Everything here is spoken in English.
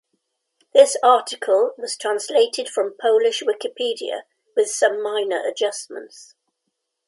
This article was translated from Polish Wikipedia with some minor adjustments.